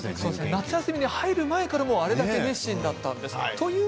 夏休みに入る前からあれだけ熱心だったんです。